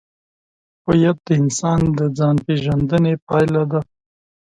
هویت د انسان د ځانپېژندنې پایله ده.